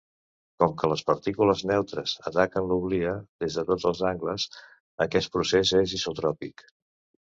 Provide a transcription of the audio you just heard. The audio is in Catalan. Com que les partícules neutres ataquen l'oblia des de tots els angles, aquest procés és isotròpic.